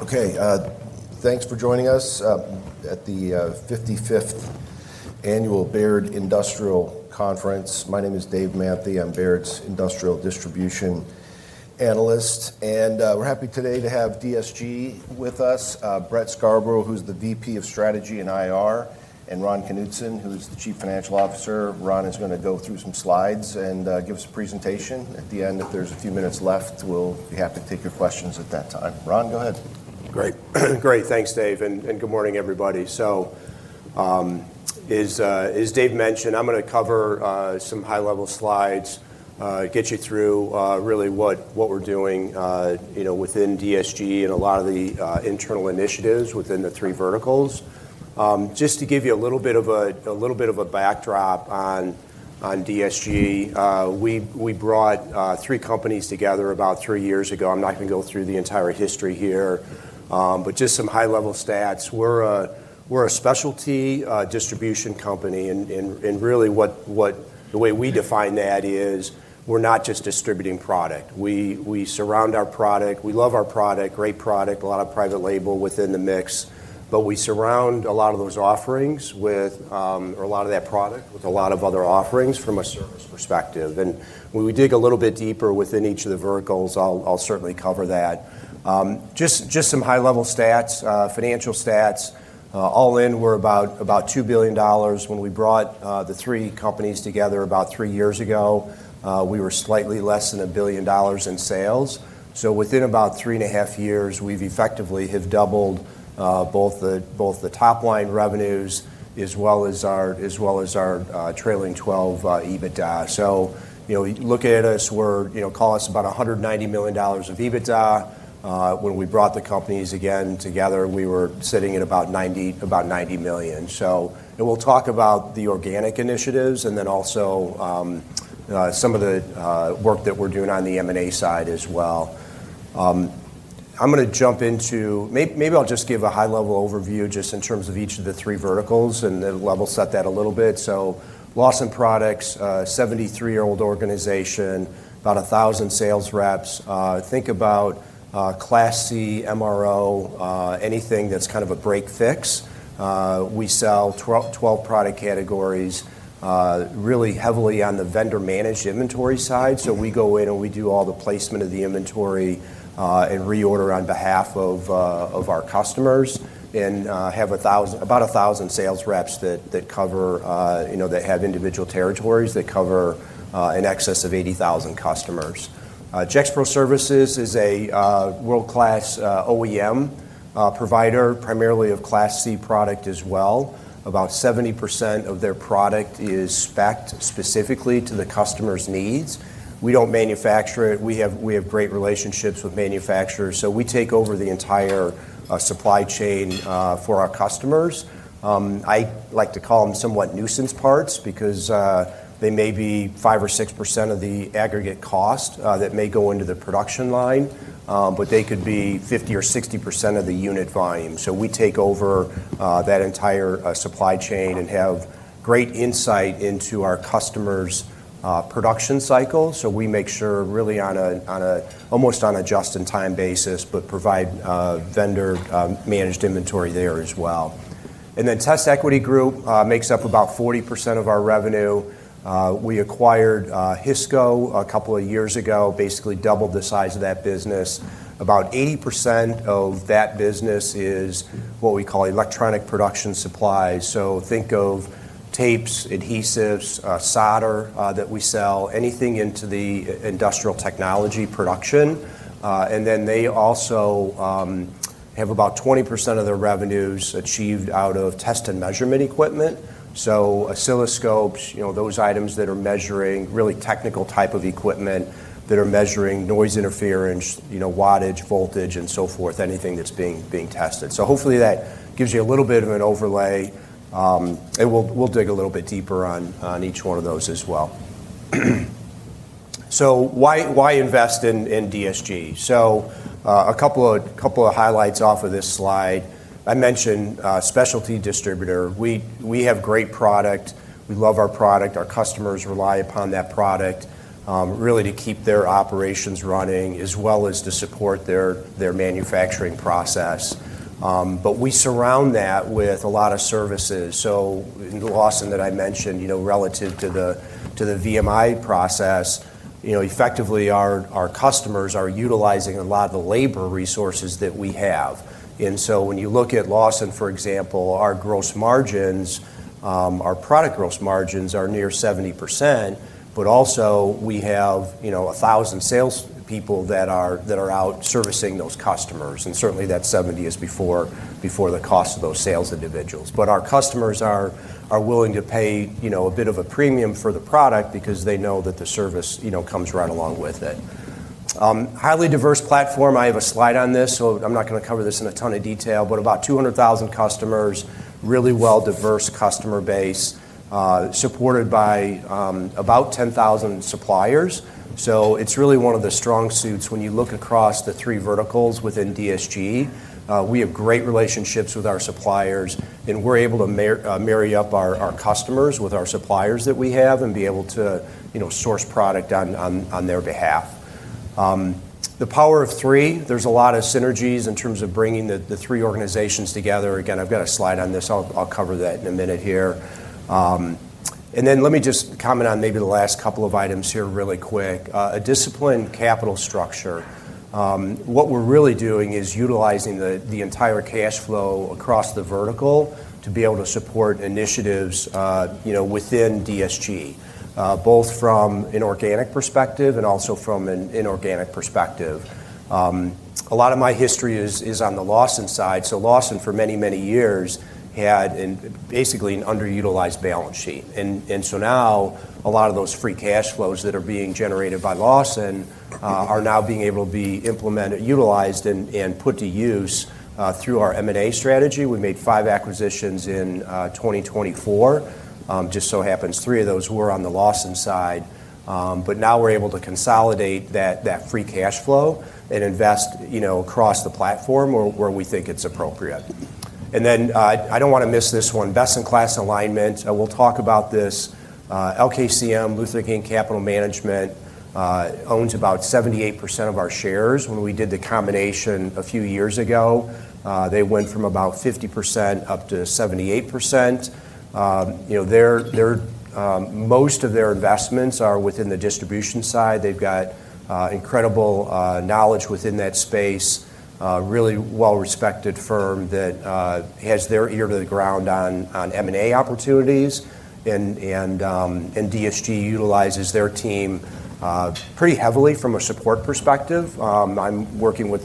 Right. Okay, thanks for joining us at the 55th Annual Baird Industrial Conference. My name is Dave Matthey. I'm Baird's industrial distribution analyst. And we're happy today to have DSG with us, Brett Scarborough, who's the VP of Strategy and IR, and Ron Knutson, who's the Chief Financial Officer. Ron is going to go through some slides and give us a presentation. At the end, if there's a few minutes left, we'll be happy to take your questions at that time. Ron, go ahead. Great. Great. Thanks, Dave. Good morning, everybody. As Dave mentioned, I'm going to cover some high-level slides, get you through really what we're doing within DSG and a lot of the internal initiatives within the three verticals. Just to give you a little bit of a backdrop on DSG, we brought three companies together about three years ago. I'm not going to go through the entire history here, but just some high-level stats. We're a specialty distribution company. Really, the way we define that is we're not just distributing product. We surround our product. We love our product, great product, a lot of private label within the mix. We surround a lot of those offerings with, or a lot of that product with a lot of other offerings from a service perspective. When we dig a little bit deeper within each of the verticals, I'll certainly cover that. Just some high-level stats, financial stats. All in, we're about $2 billion. When we brought the three companies together about three years ago, we were slightly less than $1 billion in sales. Within about three and a half years, we've effectively doubled both the top-line revenues as well as our trailing 12 EBITDA. Look at us, call us about $190 million of EBITDA. When we brought the companies again together, we were sitting at about $90 million. We'll talk about the organic initiatives and then also some of the work that we're doing on the M&A side as well. I'm going to jump into, maybe I'll just give a high-level overview just in terms of each of the three verticals and level set that a little bit. Lawson Products, a 73-year-old organization, about 1,000 sales reps. Think about Class C, MRO, anything that's kind of a break/fix. We sell 12 product categories, really heavily on the vendor-managed inventory side. We go in and we do all the placement of the inventory and reorder on behalf of our customers and have about 1,000 sales reps that have individual territories that cover an excess of 80,000 customers. Gexpro Services is a world-class OEM provider, primarily of Class C product as well. About 70% of their product is specced specifically to the customer's needs. We do not manufacture it. We have great relationships with manufacturers. We take over the entire supply chain for our customers. I like to call them somewhat nuisance parts because they may be 5 or 6% of the aggregate cost that may go into the production line, but they could be 50 or 60% of the unit volume. We take over that entire supply chain and have great insight into our customer's production cycle. We make sure really almost on a just-in-time basis, but provide vendor-managed inventory there as well. TestEquity Group makes up about 40% of our revenue. We acquired Hisco a couple of years ago, basically doubled the size of that business. About 80% of that business is what we call electronic production supplies. Think of tapes, adhesives, solder that we sell, anything into the industrial technology production. They also have about 20% of their revenues achieved out of test and measurement equipment. Oscilloscopes, those items that are measuring really technical type of equipment that are measuring noise interference, wattage, voltage, and so forth, anything that's being tested. Hopefully that gives you a little bit of an overlay. We'll dig a little bit deeper on each one of those as well. Why invest in DSG? A couple of highlights off of this slide. I mentioned specialty distributor. We have great product. We love our product. Our customers rely upon that product really to keep their operations running as well as to support their manufacturing process. We surround that with a lot of services. In Lawson, that I mentioned, relative to the VMI process, effectively our customers are utilizing a lot of the labor resources that we have. When you look at Lawson, for example, our gross margins, our product gross margins are near 70%, but also we have 1,000 salespeople that are out servicing those customers. Certainly that 70% is before the cost of those sales individuals. Our customers are willing to pay a bit of a premium for the product because they know that the service comes right along with it. Highly diverse platform. I have a slide on this, so I'm not going to cover this in a ton of detail, but about 200,000 customers, really well-diverse customer base, supported by about 10,000 suppliers. It is really one of the strong suits when you look across the three verticals within DSG. We have great relationships with our suppliers, and we're able to marry up our customers with our suppliers that we have and be able to source product on their behalf. The power of three. There is a lot of synergies in terms of bringing the three organizations together. Again, I have got a slide on this. I will cover that in a minute here. Let me just comment on maybe the last couple of items here really quick. A disciplined capital structure. What we are really doing is utilizing the entire cash flow across the vertical to be able to support initiatives within DSG, both from an organic perspective and also from an inorganic perspective. A lot of my history is on the Lawson side. Lawson, for many, many years, had basically an underutilized balance sheet. Now a lot of those free cash flows that are being generated by Lawson are now being able to be utilized and put to use through our M&A strategy. We made five acquisitions in 2024. Just so happens three of those were on the Lawson side. Now we're able to consolidate that free cash flow and invest across the platform where we think it's appropriate. I don't want to miss this one. Best in class alignment. We'll talk about this. LKCM, Luther King Capital Management, owns about 78% of our shares. When we did the combination a few years ago, they went from about 50% up to 78%. Most of their investments are within the distribution side. They've got incredible knowledge within that space. Really well-respected firm that has their ear to the ground on M&A opportunities. DSG utilizes their team pretty heavily from a support perspective. I'm working with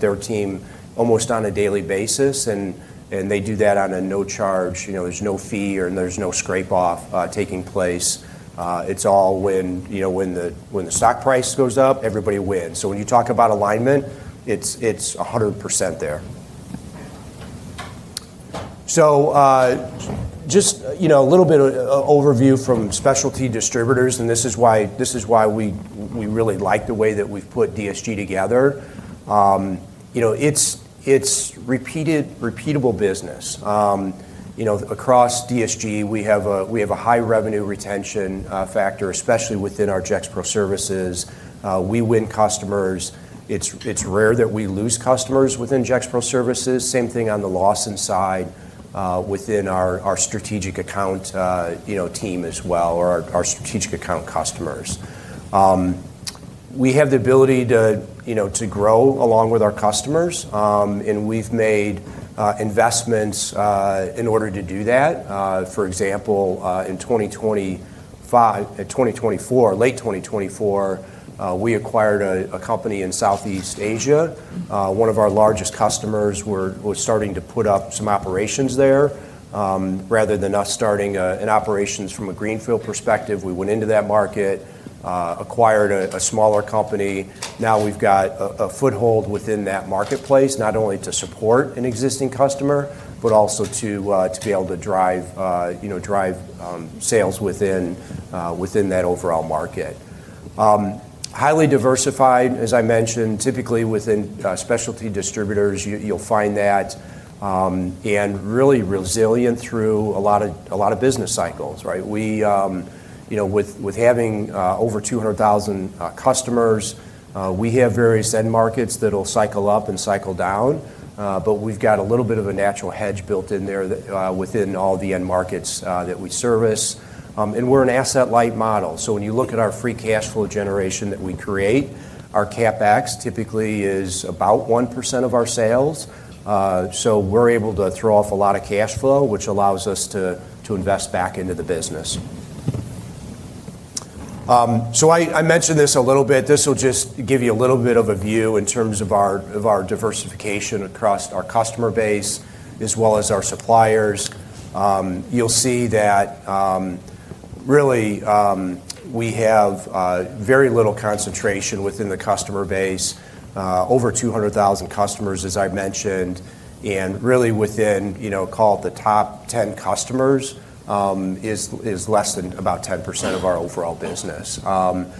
their team almost on a daily basis, and they do that at no charge. There's no fee or there's no scrape-off taking place. It's all when the stock price goes up, everybody wins. When you talk about alignment, it's 100% there. Just a little bit of overview from specialty distributors, and this is why we really like the way that we've put DSG together. It's repeatable business. Across DSG, we have a high revenue retention factor, especially within our Gexpro Services. We win customers. It's rare that we lose customers within Gexpro Services. Same thing on the Lawson side within our strategic account team as well, or our strategic account customers. We have the ability to grow along with our customers, and we've made investments in order to do that. For example, in 2024, late 2024, we acquired a company in Southeast Asia. One of our largest customers was starting to put up some operations there. Rather than us starting an operation from a greenfield perspective, we went into that market, acquired a smaller company. Now we've got a foothold within that marketplace, not only to support an existing customer, but also to be able to drive sales within that overall market. Highly diversified, as I mentioned, typically within specialty distributors, you'll find that. Really resilient through a lot of business cycles. With having over 200,000 customers, we have various end markets that will cycle up and cycle down, but we've got a little bit of a natural hedge built in there within all the end markets that we service. We're an asset-light model. When you look at our free cash flow generation that we create, our CapEx typically is about 1% of our sales. We're able to throw off a lot of cash flow, which allows us to invest back into the business. I mentioned this a little bit. This will just give you a little bit of a view in terms of our diversification across our customer base as well as our suppliers. You'll see that really we have very little concentration within the customer base. Over 200,000 customers, as I mentioned. Really, within, call it the top 10 customers, it is less than about 10% of our overall business. On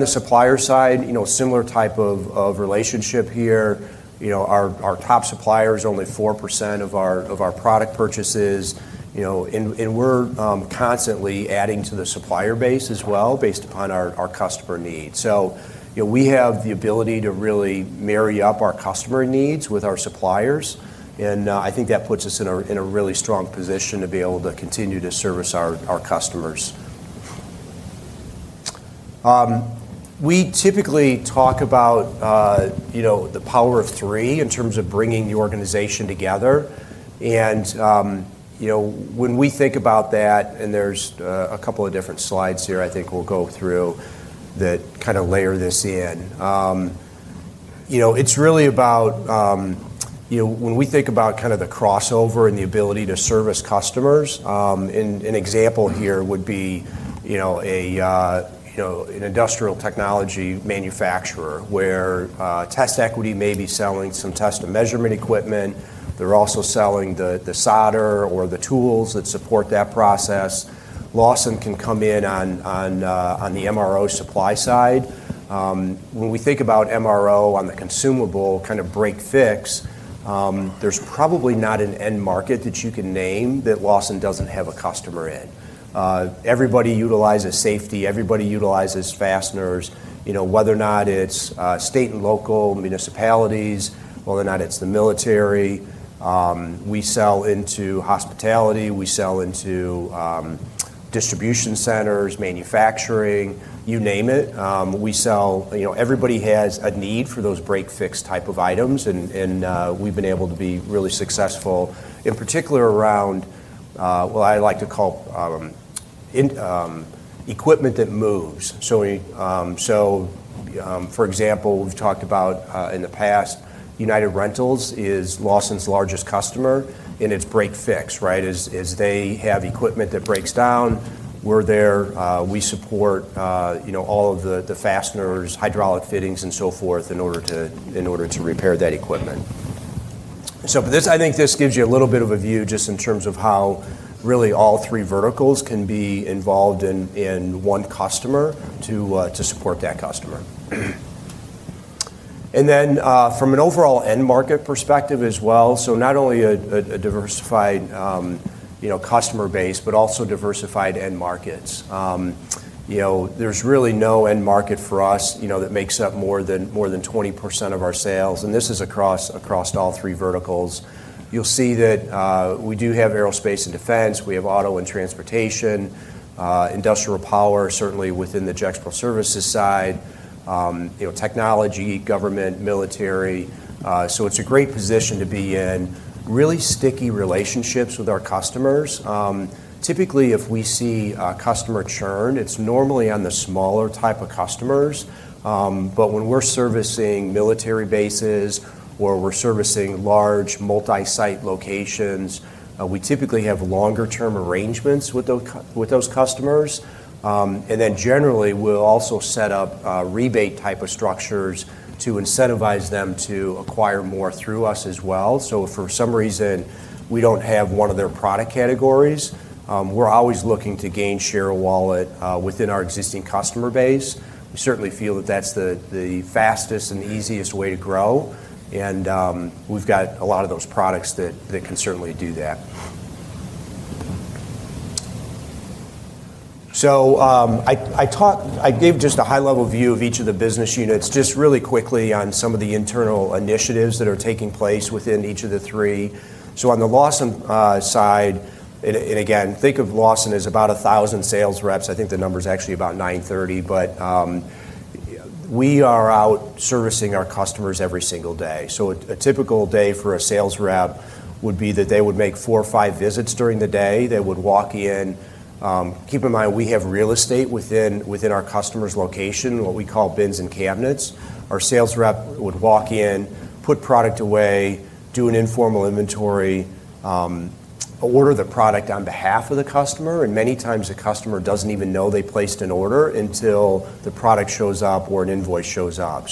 the supplier side, similar type of relationship here. Our top supplier is only 4% of our product purchases. We're constantly adding to the supplier base as well based upon our customer needs. We have the ability to really marry up our customer needs with our suppliers. I think that puts us in a really strong position to be able to continue to service our customers. We typically talk about the power of three in terms of bringing the organization together. When we think about that, and there are a couple of different slides here I think we'll go through that kind of layer this in. It's really about when we think about kind of the crossover and the ability to service customers. An example here would be an industrial technology manufacturer where TestEquity may be selling some test and measurement equipment. They're also selling the solder or the tools that support that process. Lawson can come in on the MRO supply side. When we think about MRO on the consumable kind of break/fix, there's probably not an end market that you can name that Lawson doesn't have a customer in. Everybody utilizes safety. Everybody utilizes fasteners. Whether or not it's state and local municipalities, whether or not it's the military, we sell into hospitality, we sell into distribution centers, manufacturing, you name it. Everybody has a need for those break/fix type of items, and we've been able to be really successful, in particular around what I like to call equipment that moves. For example, we've talked about in the past, United Rentals is Lawson's largest customer in its break/fix. As they have equipment that breaks down, we're there. We support all of the fasteners, hydraulic fittings, and so forth in order to repair that equipment. I think this gives you a little bit of a view just in terms of how really all three verticals can be involved in one customer to support that customer. From an overall end market perspective as well, not only a diversified customer base, but also diversified end markets. There is really no end market for us that makes up more than 20% of our sales. This is across all three verticals. You'll see that we do have aerospace and defense. We have auto and transportation, industrial power, certainly within the Gexpro Services side, technology, government, military. It is a great position to be in. Really sticky relationships with our customers. Typically, if we see customer churn, it is normally on the smaller type of customers. When we are servicing military bases or we are servicing large multi-site locations, we typically have longer-term arrangements with those customers. Generally, we will also set up rebate type of structures to incentivize them to acquire more through us as well. If for some reason we do not have one of their product categories, we are always looking to gain share of wallet within our existing customer base. We certainly feel that is the fastest and easiest way to grow. We have a lot of those products that can certainly do that. I gave just a high-level view of each of the business units just really quickly on some of the internal initiatives that are taking place within each of the three. On the Lawson side, and again, think of Lawson as about 1,000 sales reps. I think the number is actually about 930, but we are out servicing our customers every single day. A typical day for a sales rep would be that they would make four or five visits during the day. They would walk in. Keep in mind, we have real estate within our customer's location, what we call bins and cabinets. Our sales rep would walk in, put product away, do an informal inventory, order the product on behalf of the customer. Many times the customer doesn't even know they placed an order until the product shows up or an invoice shows up.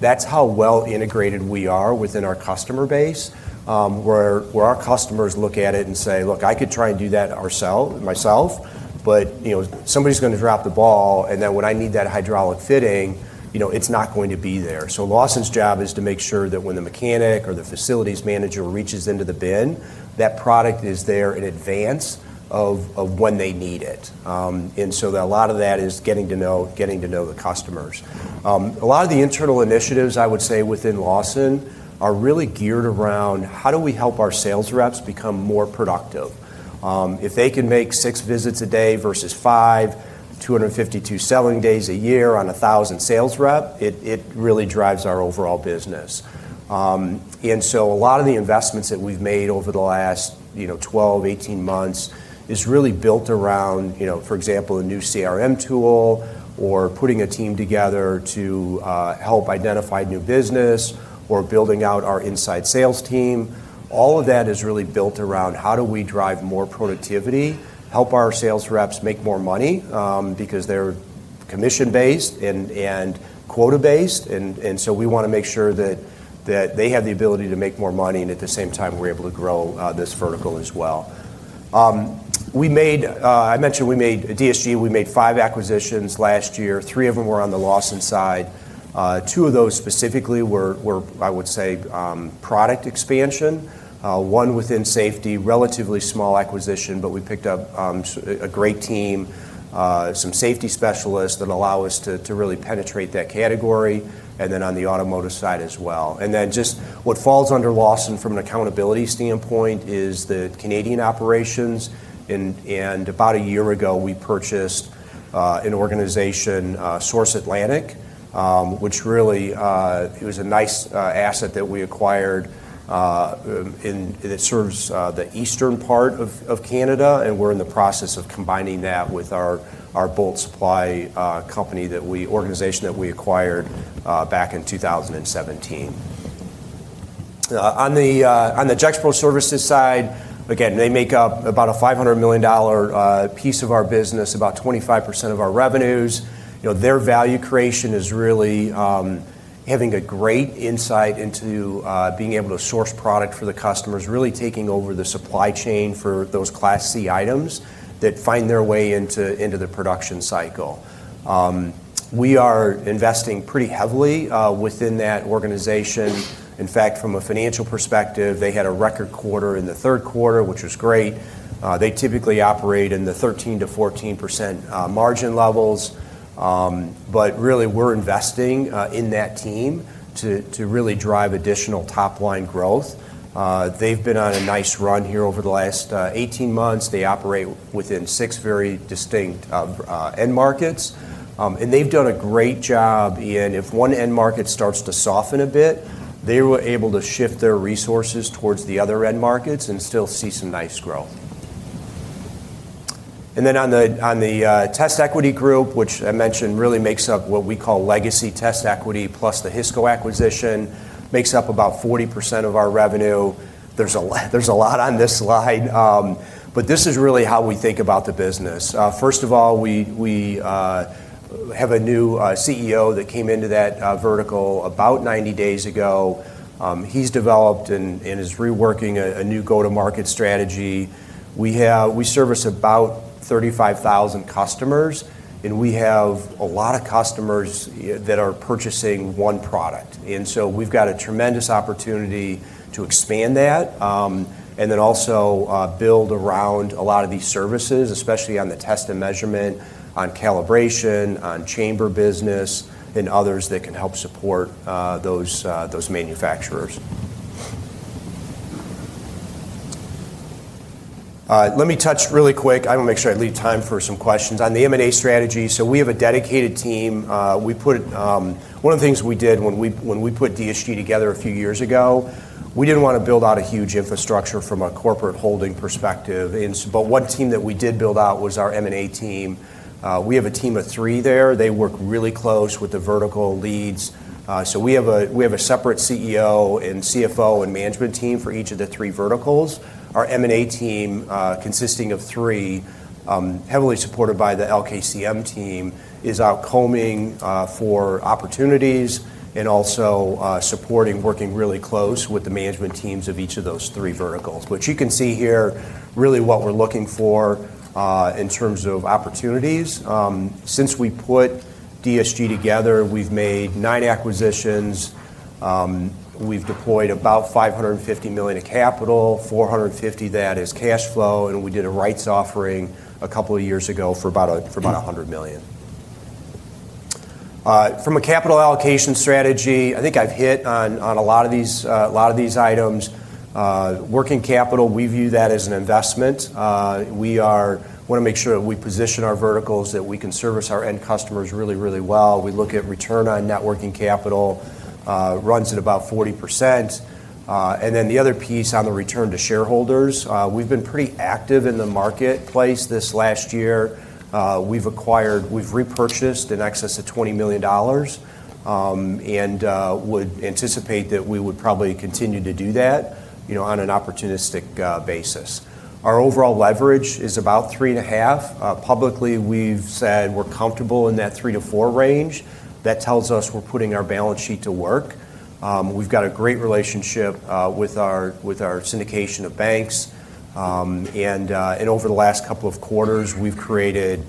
That is how well integrated we are within our customer base, where our customers look at it and say, "Look, I could try and do that myself, but somebody's going to drop the ball. When I need that hydraulic fitting, it's not going to be there." Lawson's job is to make sure that when the mechanic or the facilities manager reaches into the bin, that product is there in advance of when they need it. A lot of that is getting to know the customers. A lot of the internal initiatives, I would say, within Lawson are really geared around how do we help our sales reps become more productive. If they can make six visits a day versus five, 252 selling days a year on 1,000 sales reps, it really drives our overall business. A lot of the investments that we've made over the last 12, 18 months is really built around, for example, a new CRM tool or putting a team together to help identify new business or building out our inside sales team. All of that is really built around how do we drive more productivity, help our sales reps make more money because they're commission-based and quota-based. We want to make sure that they have the ability to make more money and at the same time we're able to grow this vertical as well. I mentioned we made DSG, we made five acquisitions last year. Three of them were on the Lawson side. Two of those specifically were, I would say, product expansion. One within safety, relatively small acquisition, but we picked up a great team, some safety specialists that allow us to really penetrate that category. On the automotive side as well. What falls under Lawson from an accountability standpoint is the Canadian operations. About a year ago, we purchased an organization, Source Atlantic, which really was a nice asset that we acquired that serves the eastern part of Canada. We are in the process of combining that with our Bolt Supply organization that we acquired back in 2017. On the Gexpro Services side, again, they make up about a $500 million piece of our business, about 25% of our revenues. Their value creation is really having a great insight into being able to source product for the customers, really taking over the supply chain for those Class C items that find their way into the production cycle. We are investing pretty heavily within that organization. In fact, from a financial perspective, they had a record quarter in the third quarter, which was great. They typically operate in the 13% to 14% margin levels. We are investing in that team to really drive additional top-line growth. They've been on a nice run here over the last 18 months. They operate within six very distinct end markets. They have done a great job in if one end market starts to soften a bit, they were able to shift their resources towards the other end markets and still see some nice growth. On the TestEquity Group, which I mentioned really makes up what we call legacy TestEquity Plus the Hisco acquisition, makes up about 40% of our revenue. There is a lot on this slide. This is really how we think about the business. First of all, we have a new CEO that came into that vertical about 90 days ago. He has developed and is reworking a new go-to-market strategy. We service about 35,000 customers, and we have a lot of customers that are purchasing one product. We have a tremendous opportunity to expand that and also build around a lot of these services, especially on the test and measurement, on calibration, on chamber business, and others that can help support those manufacturers. Let me touch really quick. I want to make sure I leave time for some questions. On the M&A strategy, we have a dedicated team. One of the things we did when we put DSG together a few years ago, we did not want to build out a huge infrastructure from a corporate holding perspective. One team that we did build out was our M&A team. We have a team of three there. They work really close with the vertical leads. We have a separate CEO and CFO and management team for each of the three verticals. Our M&A team, consisting of three, heavily supported by the LKCM team, is out combing for opportunities and also supporting, working really close with the management teams of each of those three verticals. You can see here really what we are looking for in terms of opportunities. Since we put DSG together, we have made nine acquisitions. We've deployed about $550 million of capital, $450 million that is cash flow. We did a rights offering a couple of years ago for about $100 million. From a capital allocation strategy, I think I've hit on a lot of these items. Working capital, we view that as an investment. We want to make sure that we position our verticals that we can service our end customers really, really well. We look at return on net working capital, runs at about 40%. The other piece on the return to shareholders, we've been pretty active in the marketplace this last year. We've repurchased in excess of $20 million and would anticipate that we would probably continue to do that on an opportunistic basis. Our overall leverage is about three and a half. Publicly, we've said we're comfortable in that three to four range. That tells us we're putting our balance sheet to work. We've got a great relationship with our syndication of banks. Over the last couple of quarters, we've created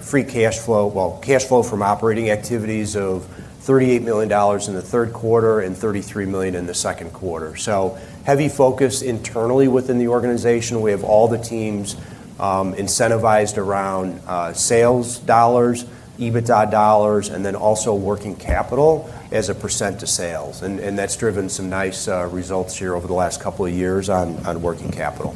free cash flow, well, cash flow from operating activities of $38 million in the third quarter and $33 million in the second quarter. Heavy focus internally within the organization. We have all the teams incentivized around sales dollars, EBITDA dollars, and then also working capital as a % to sales. That's driven some nice results here over the last couple of years on working capital.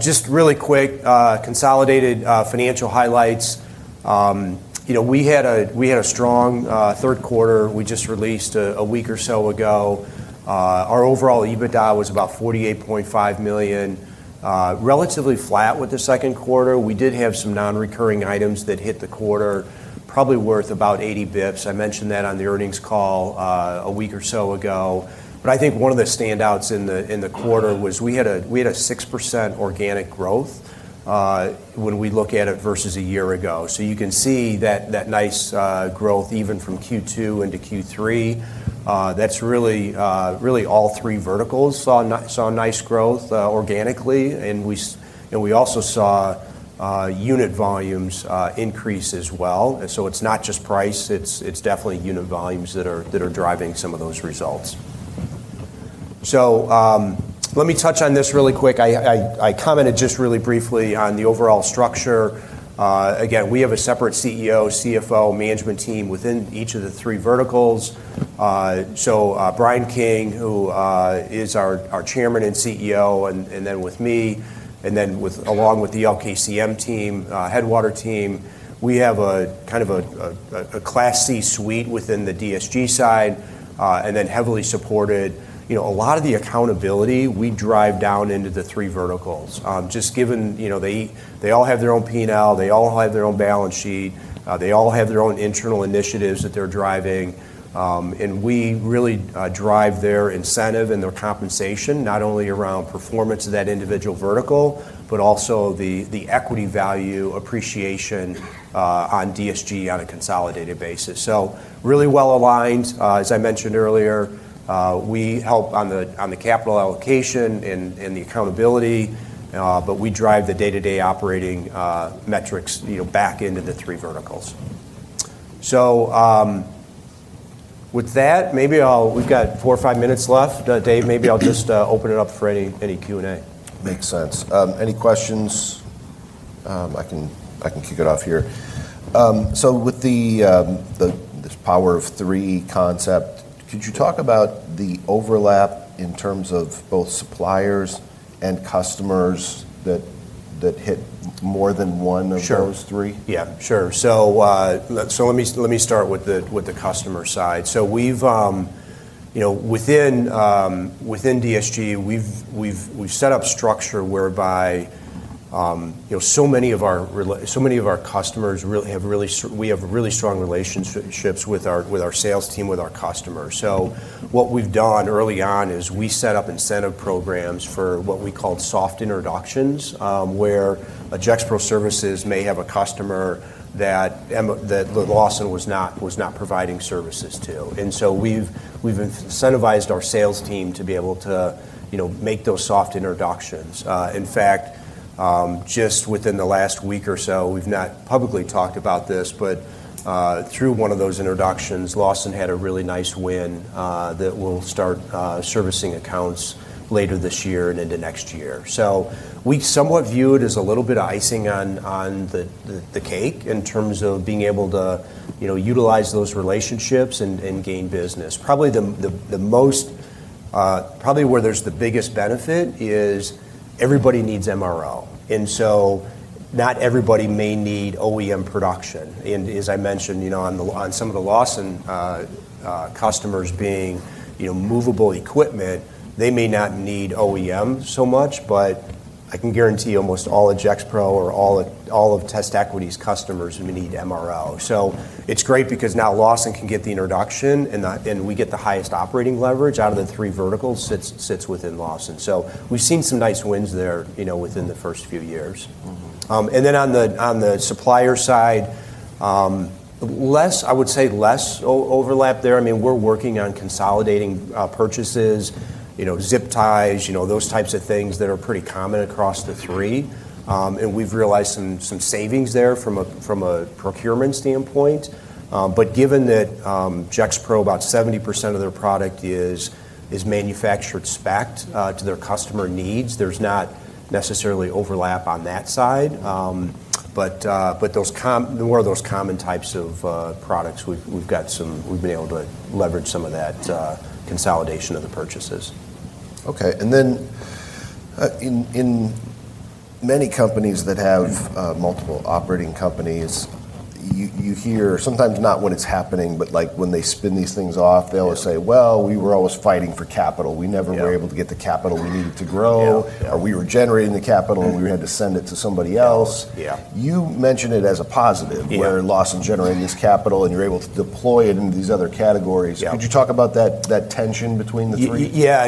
Just really quick, consolidated financial highlights. We had a strong third quarter. We just released a week or so ago. Our overall EBITDA was about $48.5 million, relatively flat with the second quarter. We did have some non-recurring items that hit the quarter, probably worth about 80 basis points. I mentioned that on the earnings call a week or so ago. I think one of the standouts in the quarter was we had a 6% organic growth when we look at it versus a year ago. You can see that nice growth even from Q2 into Q3. That's really all three verticals saw nice growth organically. We also saw unit volumes increase as well. It's not just price. It's definitely unit volumes that are driving some of those results. Let me touch on this really quick. I commented just really briefly on the overall structure. Again, we have a separate CEO, CFO, management team within each of the three verticals. Brian King, who is our Chairman and CEO, and then with me, and then along with the LKCM team, Headwater team, we have kind of a Class C suite within the DSG side and then heavily supported. A lot of the accountability, we drive down into the three verticals. Just given they all have their own P&L, they all have their own balance sheet, they all have their own internal initiatives that they're driving. We really drive their incentive and their compensation, not only around performance of that individual vertical, but also the equity value appreciation on DSG on a consolidated basis. Really well aligned. As I mentioned earlier, we help on the capital allocation and the accountability, but we drive the day-to-day operating metrics back into the three verticals. With that, maybe we've got four or five minutes left. Dave, maybe I'll just open it up for any Q and A. Makes sense. Any questions? I can kick it off here. With the power of three concept, could you talk about the overlap in terms of both suppliers and customers that hit more than one of those three? Sure. Yeah, sure. Let me start with the customer side. Within DSG, we've set up structure whereby so many of our customers have really strong relationships with our sales team, with our customers. What we've done early on is we set up incentive programs for what we called soft introductions, where Gexpro Services may have a customer that Lawson was not providing services to. We've incentivized our sales team to be able to make those soft introductions. In fact, just within the last week or so, we've not publicly talked about this, but through one of those introductions, Lawson had a really nice win that will start servicing accounts later this year and into next year. We somewhat view it as a little bit of icing on the cake in terms of being able to utilize those relationships and gain business. Probably where there's the biggest benefit is everybody needs MRO. Not everybody may need OEM production. As I mentioned, on some of the Lawson customers being movable equipment, they may not need OEM so much, but I can guarantee almost all of Gexpro or all of TestEquity's customers may need MRO. It's great because now Lawson can get the introduction and we get the highest operating leverage out of the three verticals that sit within Lawson. We've seen some nice wins there within the first few years. On the supplier side, I would say less overlap there. I mean, we're working on consolidating purchases, zip ties, those types of things that are pretty common across the three. We've realized some savings there from a procurement standpoint. Given that Gexpro Services, about 70% of their product is manufactured specced to their customer needs, there's not necessarily overlap on that side. More of those common types of products, we've been able to leverage some of that consolidation of the purchases. Okay. In many companies that have multiple operating companies, you hear sometimes not when it's happening, but when they spin these things off, they'll say, "We were always fighting for capital. We never were able to get the capital we needed to grow." Or, "We were generating the capital and we had to send it to somebody else." You mentioned it as a positive where Lawson's generating this capital and you're able to deploy it in these other categories. Could you talk about that tension between the three? Yeah.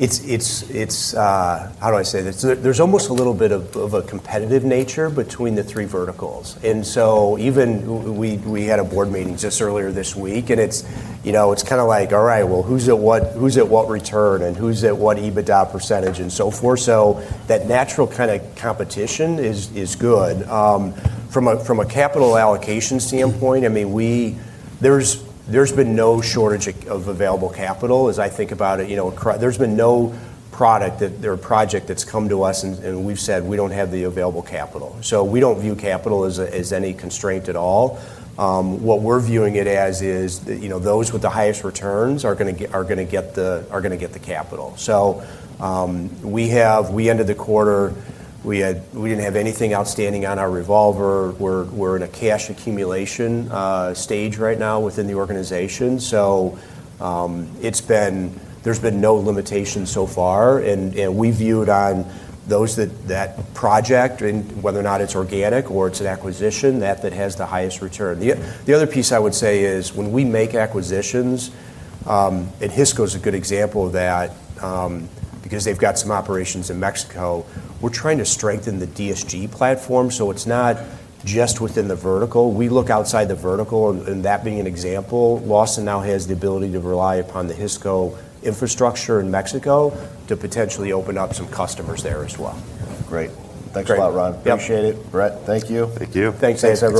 How do I say this? There's almost a little bit of a competitive nature between the three verticals. Even we had a board meeting just earlier this week, and it's kind of like, "All right, well, who's at what return and who's at what EBITDA percentage and so forth?" That natural kind of competition is good. From a capital allocation standpoint, I mean, there's been no shortage of available capital. As I think about it, there's been no product or project that's come to us and we've said, "We don't have the available capital." We don't view capital as any constraint at all. What we're viewing it as is those with the highest returns are going to get the capital. We ended the quarter, we didn't have anything outstanding on our revolver. We're in a cash accumulation stage right now within the organization. There has been no limitations so far. We view it on those that project, whether or not it's organic or it's an acquisition, that that has the highest return. The other piece I would say is when we make acquisitions, and Hisco is a good example of that because they've got some operations in Mexico, we're trying to strengthen the DSG platform so it's not just within the vertical. We look outside the vertical. That being an example, Lawson now has the ability to rely upon the Hisco infrastructure in Mexico to potentially open up some customers there as well. Great. Thanks a lot, Ron. Appreciate it. Brett, thank you. Thank you. Thanks, guys.